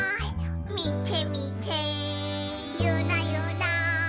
「みてみてユラユラ」